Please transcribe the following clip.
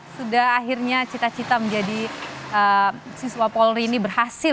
sudah akhirnya cita cita menjadi siswa polri ini berhasil